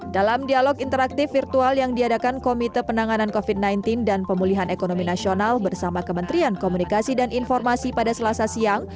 dalam dialog interaktif virtual yang diadakan komite penanganan covid sembilan belas dan pemulihan ekonomi nasional bersama kementerian komunikasi dan informasi pada selasa siang